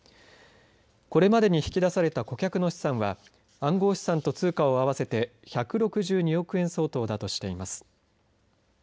これまでに引き出された顧客の資産は暗号資産と通貨を合わせて１６２億円相当だとしています。